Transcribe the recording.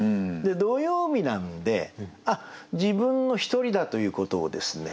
土曜日なので自分のひとりだということをですね